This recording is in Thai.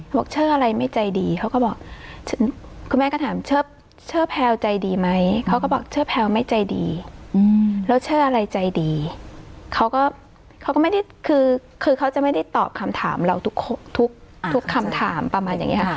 เชอร์อะไรไม่ใจดีเขาก็บอกคุณแม่ก็ถามเชอร์แพลวใจดีไหมเขาก็บอกเชอร์แพลวไม่ใจดีแล้วชื่ออะไรใจดีเขาก็เขาก็ไม่ได้คือเขาจะไม่ได้ตอบคำถามเราทุกทุกคำถามประมาณอย่างนี้ค่ะ